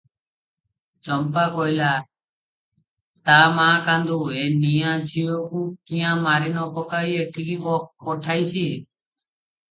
ଚମ୍ପା କହିଲା, "ତା ମା କାନ୍ଦୁ, ଏ ନିଆଁ ଝିଅକୁ କ୍ୟାଁ ମାରି ନ ପକାଇ ଏଠିକି ପଠାଇଛି?